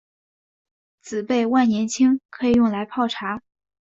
紫背万年青可以用来泡茶。